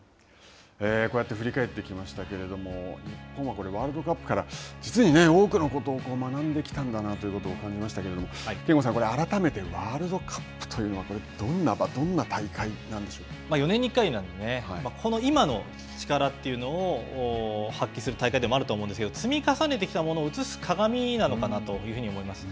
こうやって振り返ってきましたけれども、日本はワールドカップから実に多くのことを学んできたんだなということを感じましたけども、憲剛さん、改めてワールドカップというのはどんな場、どん４年に１回なので、この今の力というのを発揮する大会でもあると思うんですけど、積み重ねてきたものを映す鏡なのかなというふうに思います。